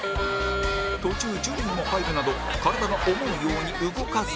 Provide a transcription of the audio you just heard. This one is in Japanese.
途中ジュリーも入るなど体が思うように動かず×